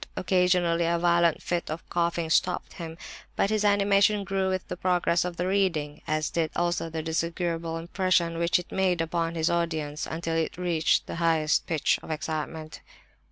Occasionally a violent fit of coughing stopped him, but his animation grew with the progress of the reading—as did also the disagreeable impression which it made upon his audience,—until it reached the highest pitch of excitement.